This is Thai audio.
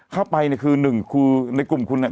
เข้าไปเนี่ยคือหนึ่งคือในกลุ่มคุณเนี่ย